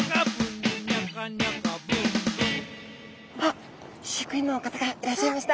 あっ飼育員の方がいらっしゃいました。